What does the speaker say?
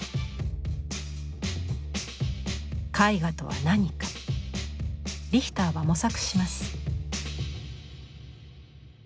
絵画とは何かリヒターは模索します。